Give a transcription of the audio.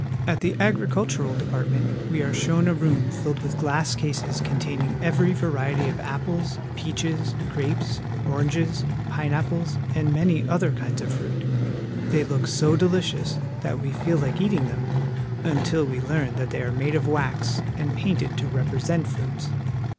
At the Agricultural Department we are shown a room filled with glass cases containing every variety of apples, peaches, grapes, oranges, pineapples, and many other kinds of fruit. They look so deHcious that we feel like eating them until we learn that they are made of wax and painted to represent fruits.